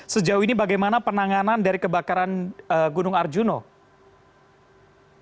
sejauh ini bagaimana penanganan dari kebakaran gunung arjuna dan ulirang ini reza